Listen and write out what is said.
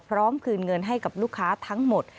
คืนเงินให้กับลูกค้าทั้งหมด